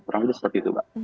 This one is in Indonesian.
kurang lebih seperti itu mbak